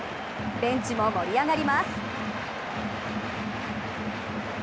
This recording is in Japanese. ベンチも盛り上がります。